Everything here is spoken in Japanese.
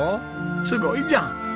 すごいじゃん！